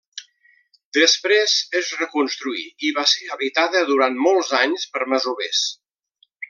Després es reconstruí i va ser habitada durant molts anys per masovers.